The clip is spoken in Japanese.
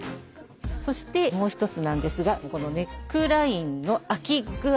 そしてもう一つなんですがここのネックラインの開き具合です。